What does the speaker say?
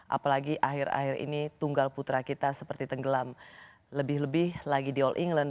apalagi akhir akhir ini tunggal putra kita seperti tenggelam lebih lebih lagi di all england